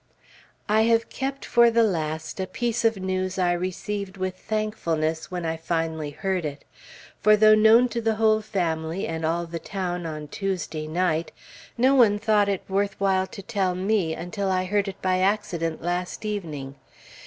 I have kept for the last a piece of news I received with thankfulness, when I finally heard it; for, though known to the whole family and all the town on Tuesday night, no one thought it worth while to tell me until I heard it by accident last evening.